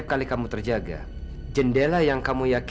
mas mas ada apa mas